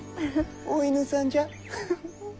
お犬さんじゃ。